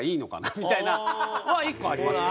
みたいなのは１個ありました。